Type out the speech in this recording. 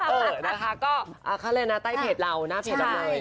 เออนะคะก็เขาเรียกนะใต้เพจเราหน้าเพจเราเลย